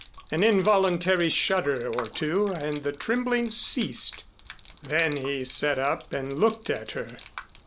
An involuntary shudder or two and the trembling ceased. Then he sat up and looked at her.